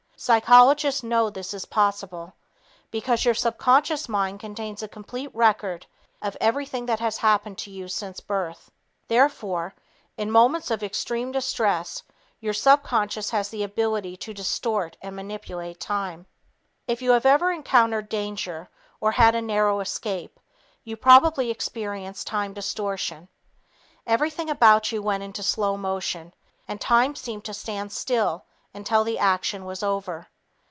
Psychologists know this is possible, because your subconscious mind contains a complete record of everything that has happened to you since birth. Therefore, in moments of extreme distress your subconscious has the ability to distort and manipulate time. If you have ever encountered danger or had a narrow escape, you probably experienced time distortion. Everything about you went into slow motion, and time seemed to stand still until the action was over.